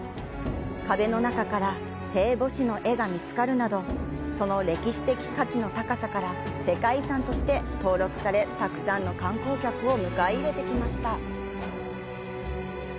壁の中から聖母子の絵が見つかるなどその歴史的価値の高さから世界遺産として登録されたくさんの観光客を迎え入れてきました。